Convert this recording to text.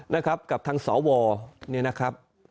นะครับกับทางสวเนี่ยนะครับ